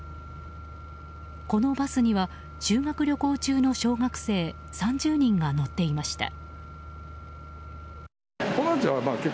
このバスには修学旅行中の小学生３０人が乗っていました。